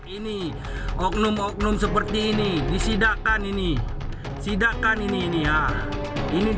ini oknum oknum seperti ini disidakan ini sidakkan ini ini ya ini